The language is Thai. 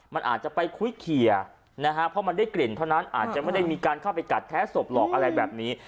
มันอาจจะไปคุยเคลียร์นะฮะเพราะมันได้กลิ่นเท่านั้นอาจจะไม่ได้มีการเข้าไปกัดแท้ศพหรอกอะไรแบบนี้